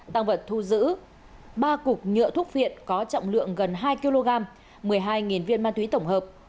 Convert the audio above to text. tăng vật thu giữ ba cục nhựa thuốc phiện có trọng lượng gần hai kg một mươi hai viên ma túy tổng hợp